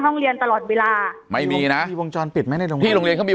ห้องเรียนตลอดเวลาไม่มีนะวงจรปิดไม่ได้ที่โรงเรียนมี